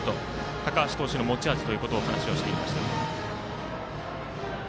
高橋投手の持ち味という話をしていました。